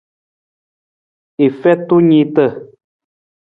I feta niita.